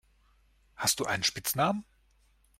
Hast du einen Spitznamen?